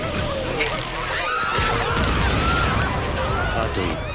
あと１匹。